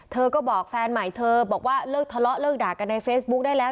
เธอก็บอกแฟนใหม่เธอบอกว่าเลิกทะเลาะเลิกด่ากันในเฟซบุ๊คได้แล้ว